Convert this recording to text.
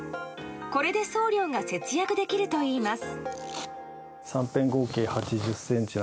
これで送料が節約できるといいます。